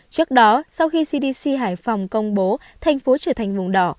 trước đó sau khi cdc hải phòng công bố thành phố trở thành vùng đỏ